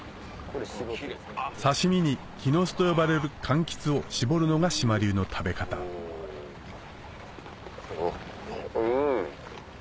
刺し身にきのすと呼ばれる柑橘を搾るのが島流の食べ方うん。